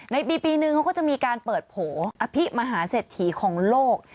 ในปีนึงเขาก็จะมีการเปิดโผล่อภิมหาเศรษฐีของโลก